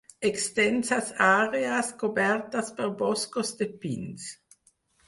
Extenses àrees cobertes per boscos de pins.